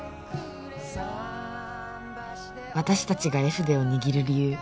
私達が絵筆を握る理由